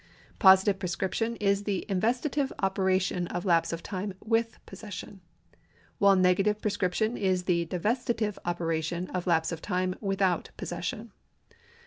Positive prescription is the investitive operation of lapse of time with possession, while negative prescription is the divestitive operation of lapse of time ivithoiit possession.